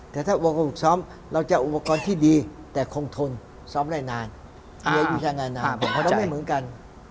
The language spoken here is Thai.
แต่ถ้าอุปกรณ์สอบเราจะอุปกรณ์ที่ดีแต่คงทนสอบได้นานเพราะไม่เหมือนกัน